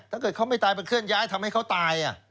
ถ้าเกิดเขาไม่ตายไปเคลื่อนย้ายทำให้เขาตาย